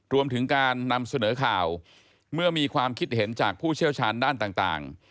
รวมถึงการนำเสนอข่าวเมื่อมีความคิดเห็นจากผู้เชี่ยวชาญด้านต่าง